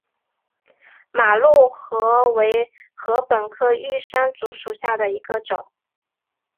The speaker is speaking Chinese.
马鹿竹为禾本科玉山竹属下的一个种。